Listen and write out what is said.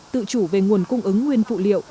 tự chủ về nguồn cung ứng nguyên phụ liệu